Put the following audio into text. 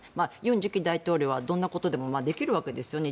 尹次期大統領はどんなことでもできるわけですよね